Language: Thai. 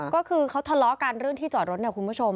ก็คือเขาทะเลาะกันเรื่องที่จอดรถเนี่ยคุณผู้ชม